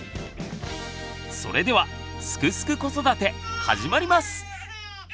それでは「すくすく子育て」始まります！